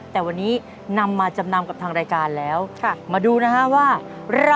แต่วันนี้นำมาจำนำกับทางรายการแล้วเข้าไหล